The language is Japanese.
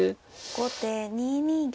後手２二玉。